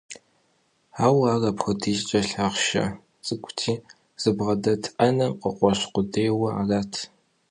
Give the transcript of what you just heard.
Ауэ ар апхуэдизкӏэ лъахъшэ цӏыкӏути, зыбгъэдэт ӏэнэм къыкъуэщ къудейуэ арат.